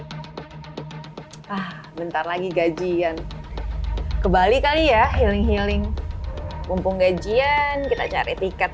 ah bentar lagi gajian ke bali kali ya healing healing mumpung gajian kita cari tiket